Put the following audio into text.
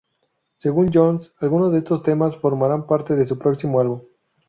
Según Jones, algunos de estos temas formarán parte de su próximo álbum.